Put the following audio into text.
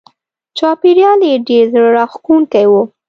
چاپېریال یې ډېر زړه راښکونکی و.